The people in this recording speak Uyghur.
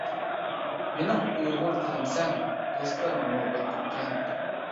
مېنىڭ ئۇيغۇر تىلىمسەن، دوستلىرىڭمۇ بەك كۆپكەن.